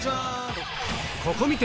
ここ観て！